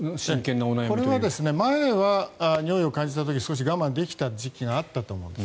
これは前は尿意を感じた時少し我慢できた時があったと思うんです。